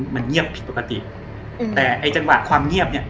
มันเงียบผิดปกติอืมแต่ไอ้จังหวะความเงียบเนี่ย